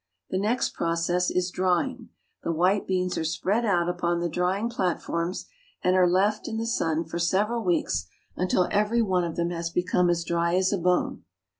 The next process is drying. The white beans are spread out upon the drying platforms, and are left in the sun for several weeks until every one of them has become as dry as a bone.